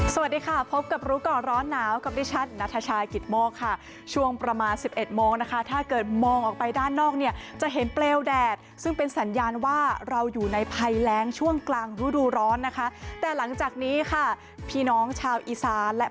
สวัสดีค่ะพบกับรู้ก่อนร้อนหนาวกับดิฉันนัทชายกิตโมกค่ะช่วงประมาณสิบเอ็ดโมงนะคะถ้าเกิดมองออกไปด้านนอกเนี่ยจะเห็นเปลวแดดซึ่งเป็นสัญญาณว่าเราอยู่ในภัยแรงช่วงกลางรูดูร้อนนะคะแต่หลังจากนี้ค่ะพี่น้องชาวอีสานและ